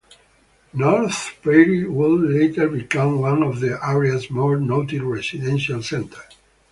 North Prairie would later become one of the area's more noted residential centers.